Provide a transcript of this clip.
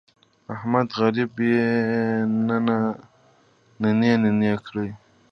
احمد غريب يې نينه نينه کړ.